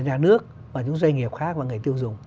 nhà nước và những doanh nghiệp khác và người tiêu dùng